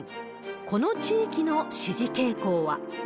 この地域の支持傾向は。